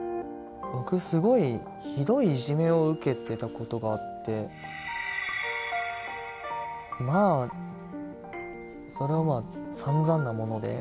僕すごいひどいいじめを受けてたことがあってまあそれはまあさんざんなもので。